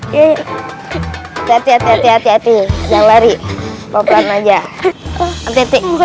hati hati hati hati hati jangan lari wright saja untuknya